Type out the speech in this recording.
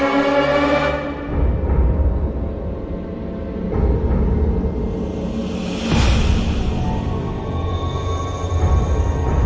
โลกใจ